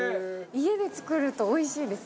家で作るとおいしいです。